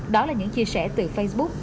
đó là những chia sẻ từ facebook